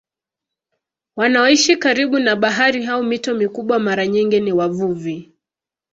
Wanaoishi karibu na bahari au mito mikubwa mara nyingi ni wavuvi.